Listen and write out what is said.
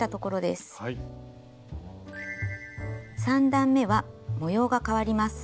３段めは模様が変わります。